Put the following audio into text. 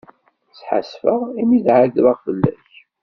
Sḥassfeɣ imi d-ɛeyyḍeɣ fell-ak.